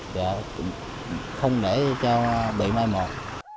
vậy không để cho bị mai một